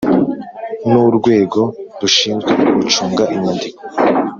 n Urwego rushinzwe gucunga inyandiko